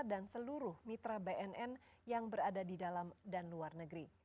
dan seluruh mitra bnn yang berada di dalam dan luar negeri